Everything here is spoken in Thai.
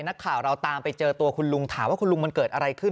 นักข่าวเราตามไปเจอตัวคุณลุงถามว่าคุณลุงมันเกิดอะไรขึ้น